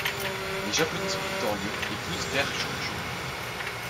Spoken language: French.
Les Japonais sont victorieux et poussent vers Chungju.